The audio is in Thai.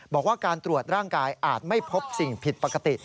บอกว่าการตรวจร่างกายอาจไม่พบสิ่งผิดปกติ